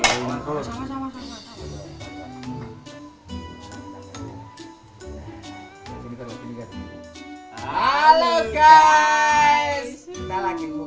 halo guys kita lagi bubeng rameon nih rameon yang